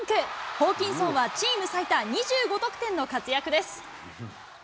ホーキンソンはチーム最多２５得点の活躍です。